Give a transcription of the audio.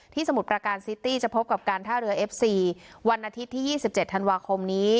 ที่สมุดประการซิตี้จะพบกับการท่าเรือเอฟซีวันอาทิตย์ที่ยี่สิบเจ็ดธันวาคมนี้